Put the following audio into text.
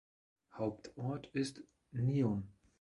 Hauptort ist Nyon.